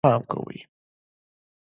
د غره ختلو پر مهال ډېر پام کوئ.